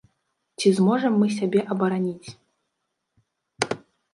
Ці зможам мы сябе абараніць?